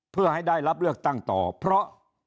เพื่อให้ได้รับเลือกตั้งต่อเพราะ